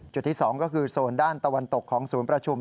จุดที่๒ก็คือโซนด้านตะวันตกของศูนย์ประชุม